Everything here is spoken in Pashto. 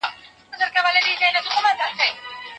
کوچنۍ سیاره شاوخوا شل متره اوږده ده.